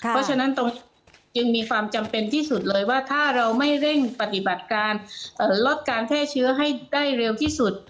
เพราะฉะนั้นจึงมีความจำเป็นที่สุดเลยว่าถ้าเราไม่เร่งปฏิบัติการลดการแพร่เชื้อให้ได้เร็วที่สุด